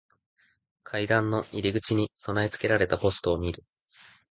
階段の入り口に備え付けられたポストを見る。